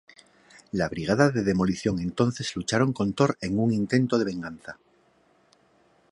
La Brigada de Demolición entonces lucharon con Thor en un intento de venganza.